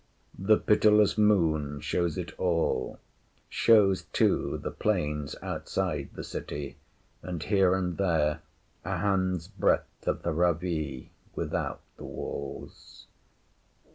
The pitiless Moon shows it all. Shows, too, the plains outside the city, and here and there a hand’s breadth of the Ravee without the walls.